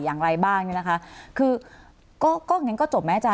อย่างไรบ้างนะคะคือก็งั้นก็จบมั้ยอาจารย์